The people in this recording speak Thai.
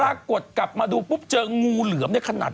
ปรากฏกลับมาดูปุ๊บเจองูเหลือมในขนาด